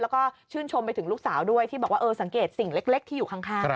แล้วก็ชื่นชมไปถึงลูกสาวด้วยที่บอกว่าสังเกตสิ่งเล็กที่อยู่ข้าง